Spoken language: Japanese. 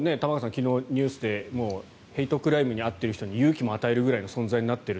昨日、ニュースでヘイトクライムに遭っている人に勇気も与えるぐらいの存在になっている。